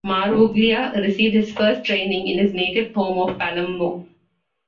Marvuglia received his first training in his native home of Palermo.